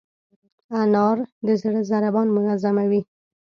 انار د زړه ضربان منظموي.